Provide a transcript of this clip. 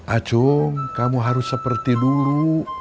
acung kamu harus seperti dulu